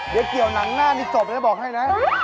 เดี๋ยวเกี่ยวหนังหน้านี่จบแล้วบอกให้นะ